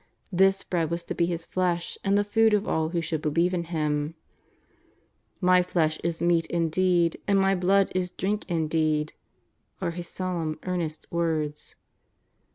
This Bread was to be His Flesh and the food of all who should believe in Him: " My Flesh is meat indeed and My Blood is drink indeed," are His solemn, earnest words.